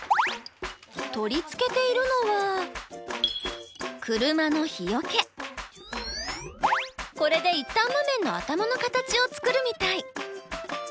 取り付けているのはこれで一反木綿の頭の形を作るみたい。